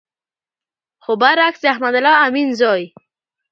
خو بر عکس د احمد الله امین زوی